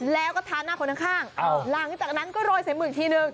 แล้วก็ทานหน้าคนข้างหลังจากนั้นก็โรยใส่มืออีกทีนึง